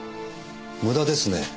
無駄ですね。